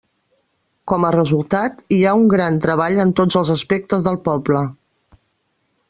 Com a resultat, hi ha un gran treball en tots els aspectes del poble.